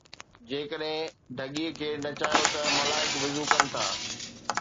جيڪڏهن ڍڳي کي نچايو ته ملائڪ وضو ڪن ٿا.